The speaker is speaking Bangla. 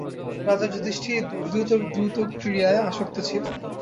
রাজা যুধিষ্ঠির দ্যূতক্রীড়ায় আসক্ত ছিলেন।